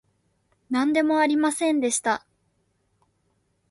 なんでもありませんでした